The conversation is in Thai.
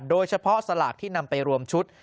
โดยเฉพาะสลากที่นำไปรวมชุด